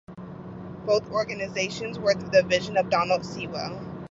Both organizations were the vision of Donald Seawell.